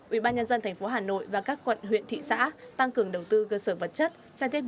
ubnd tp hà nội và các quận huyện thị xã tăng cường đầu tư cơ sở vật chất